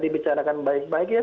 kita bicarakan baik baiknya